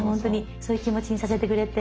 そういう気持ちにさせてくれて。